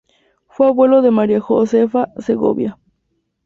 Fue abuelo de María Josefa Segovia.